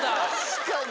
確かに！